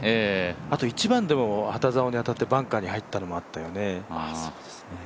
あと１番でも旗ざおに当たって、バンカーに入ったのがあったよね。